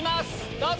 どうぞ！